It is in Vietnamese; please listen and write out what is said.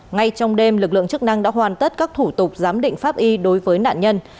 ngay trong đêm lực lượng chức năng đã hoàn tất các thủ tục giám định pháp y đối với nạn nhân